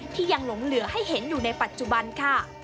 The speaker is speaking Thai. ที่ยังหลงเหลือให้เห็นอยู่ในปัจจุบันค่ะ